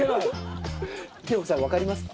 寛子さんわかりますか？